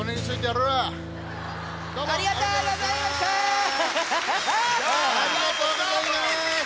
ありがとうございます。